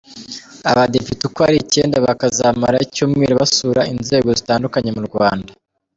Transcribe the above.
Aba badepite uko ari icyenda bakazamara icyumweru basura inzego zitandukanye mu Rwanda.